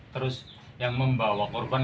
terus yang membawa korban